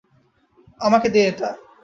আমাকে দে এটা!